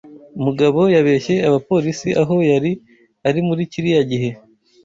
Mugabo yabeshye abapolisi aho yari ari muri kiriya gihe.